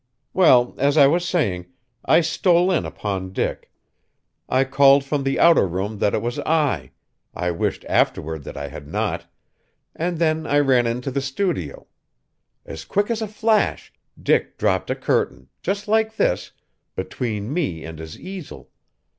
Well, as I was saying, I stole in upon Dick. I called from the outer room that it was I I wished afterward that I had not! and then I ran into the studio. As quick as a flash, Dick dropped a curtain, just like this, between me and his easel!